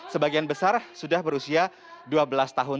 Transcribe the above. sebagian besar sudah berusia dua belas tahun